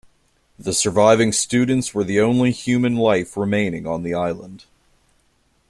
The surviving students were the only human life remaining on the island.